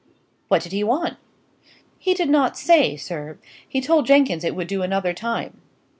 "What did he want?" "He did not say, sir. He told Jenkins it would do another time."